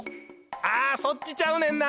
あそっちちゃうねんな。